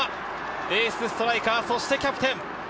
エースストライカー、そしてキャプテン。